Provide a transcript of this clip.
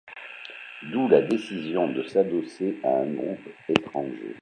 D'où la décision de s'adosser à un groupe étranger.